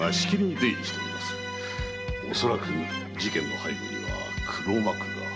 恐らく事件の背後には黒幕が。